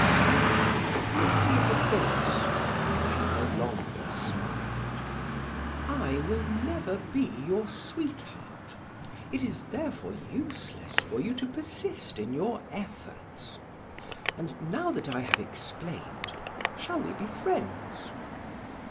Now, look me in the face " she no longer smiled. "I will never be your sweetheart; it is therefore useless for you to persist in your efforts. And now that I have explained, shall we be friends?"